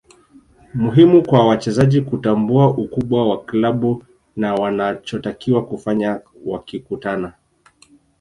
Muhimu kwa wachezaji kutambua ukubwa wa klabu na wanachotakiwa kufanya wakikutana